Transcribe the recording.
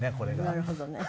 なるほどね。